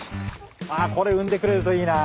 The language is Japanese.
ああこれ産んでくれるといいな。